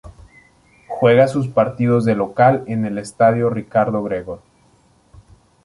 Juega sus partidos de local en el Estadio Ricardo Gregor.